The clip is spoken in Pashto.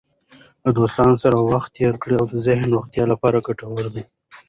له دوستانو سره وخت تېرول د ذهني روغتیا لپاره ګټور دی.